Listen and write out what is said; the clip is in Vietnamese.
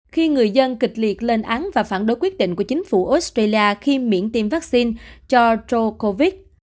khi người dân kịch liệt lên án và phản đối quyết định của chính phủ australia khi miễn tiêm vaccine cho covid một mươi chín